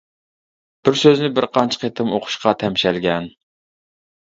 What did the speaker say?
بىر سۆزنى بىر قانچە قېتىم ئوقۇشقا تەمشەلگەن.